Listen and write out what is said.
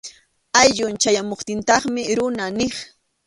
Awyun chayamuptintaqmi runa niq.